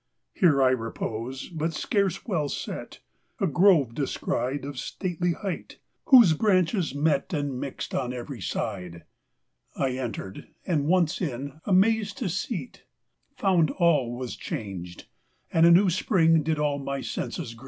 5 Here I reposed ; but scarce well set, A grove descried Of stately height, whose branches met And mixed on every side ; 1 entered, and, once in, (Amazed to see't,) Found all Vvas changed, and a new Spring Did all my senses greet.